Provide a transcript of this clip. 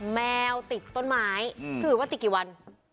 แมวติดต้นไม้คือว่าติดกี่วัน